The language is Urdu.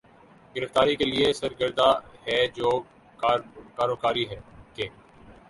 گرفتاری کے لیے سرگرداں ہے جو کاروکاری کے